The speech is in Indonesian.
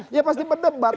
dia pasti berdebat